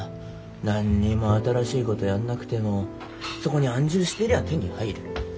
何にも新しいことやんなくてもそこに安住してりゃあ手に入る。